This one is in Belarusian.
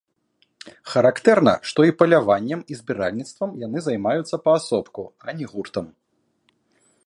Характэрна, што і паляваннем, і збіральніцтвам яны займаюцца паасобку, а не гуртам.